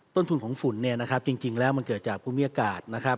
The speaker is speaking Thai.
ต้นทุนของฝุ่นเนี่ยนะครับจริงแล้วมันเกิดจากภูมิอากาศนะครับ